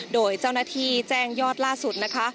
โดยเจ้าหน้าที่แจ้งยอดล่าสุดนะคะ